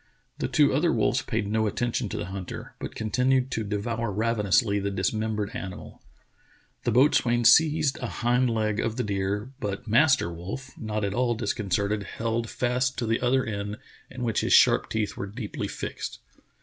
The two other wolves paid no attention to the hunter, but continued to devour ravenously the dismembered animal. The boatswain seized a hind leg of the deer, but Master Wolf, not at all disconcerted, held fast to the other end in which his sharp teeth were deeply fixed.